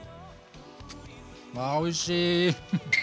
あおいしい！